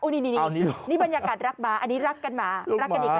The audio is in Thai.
นี่นี่บรรยากาศรักหมาอันนี้รักกันหมารักกันอีกนะ